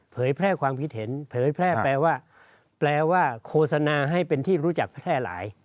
แพร่ความคิดเห็นเผยแพร่แปลว่าแปลว่าโฆษณาให้เป็นที่รู้จักแพร่หลาย